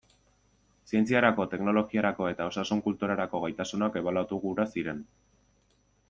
Zientziarako, teknologiarako eta osasun kulturarako gaitasunak ebaluatu gura ziren.